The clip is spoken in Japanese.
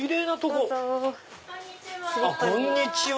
こんにちは。